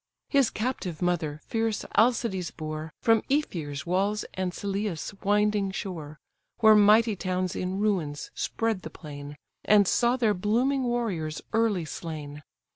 His captive mother fierce Alcides bore From Ephyr's walls and Sellè's winding shore, Where mighty towns in ruins spread the plain, And saw their blooming warriors early slain.